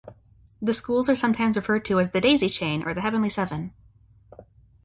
The schools are sometimes referred to as "the Daisy Chain" or "The Heavenly Seven.